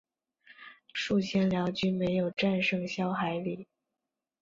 数千辽军没有战胜萧海里。